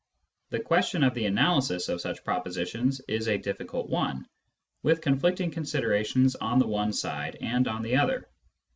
The question of the analysis of such pro positions is a difficult one, with conflicting considerations on the one side and on the other.